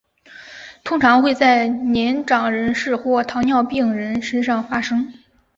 通常会在年长人士或糖尿病人身上发生。